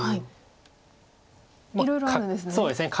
いろいろあるんですね。